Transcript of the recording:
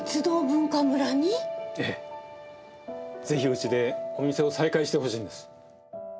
ぜひうちでお店を再開してほしいんです。